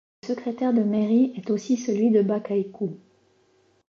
Le secrétaire de mairie est aussi celui de Bakaiku.